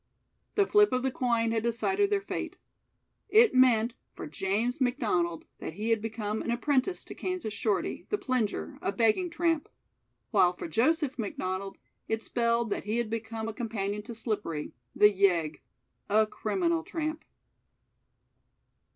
The flip of the coin had decided their fate. It meant for James McDonald that he had become an apprentice to Kansas Shorty, the Plinger a begging tramp; while for Joseph McDonald it spelled that he had become a companion to Slippery, the Yegg a criminal tramp.